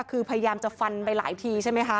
คือพยายามจะฟันไปหลายทีใช่ไหมคะ